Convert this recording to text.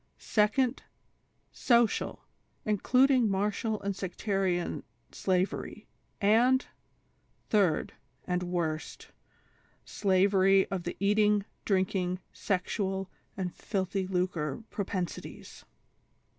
" *Seco«ci!,— Social— including Marital and Sectarian Sla very ; and " Third, — and worst. Slavery to the Eating, Drinking, Sexual and Filthy Lucre Propensities.